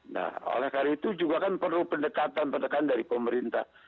nah oleh karena itu juga kan perlu pendekatan pendekatan dari pemerintah